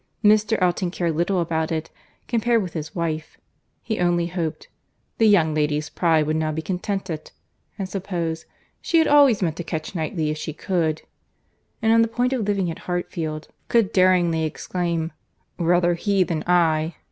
Mr. Elton cared little about it, compared with his wife; he only hoped "the young lady's pride would now be contented;" and supposed "she had always meant to catch Knightley if she could;" and, on the point of living at Hartfield, could daringly exclaim, "Rather he than I!"